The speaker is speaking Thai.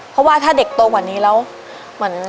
เพราะว่าถ้าเด็กโตกว่านี้แล้ว